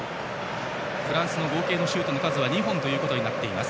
フランスの合計のシュートの数は２本となっています。